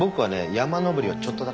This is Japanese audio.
山登りをちょっとだけ。